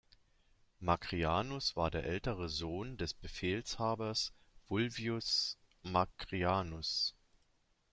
Macrianus war der ältere Sohn des Befehlshabers Fulvius Macrianus.